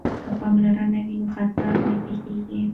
که پاملرنه وي نو خطر نه پیښیږي.